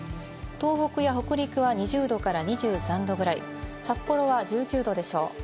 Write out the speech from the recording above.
東北や北陸は２０度から２３度ぐらい、札幌は１９度でしょう。